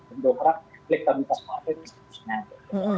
untuk merangkak elektronitas partai di situ